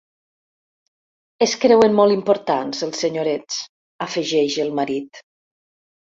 Es creuen molt importants, els senyorets —afegeix el marit.